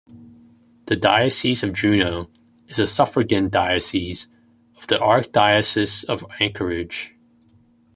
The diocese of Juneau is a suffragan diocese of the Archdiocese of Anchorage.